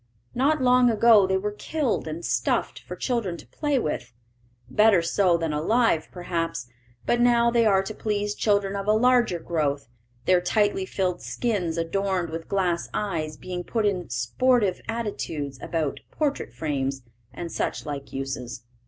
Not long ago they were killed and stuffed for children to play with better so than alive, perhaps; but now they are to please children of a larger growth, their tightly filled skins, adorned with glass eyes, being put in sportive attitudes about portrait frames, and such like uses.